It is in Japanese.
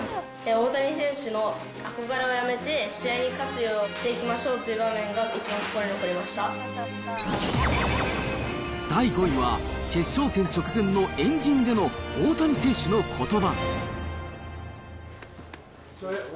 大谷選手の憧れはやめて試合に勝つようにしていきましょうと第５位は、決勝戦直前の円陣での大谷選手のことば。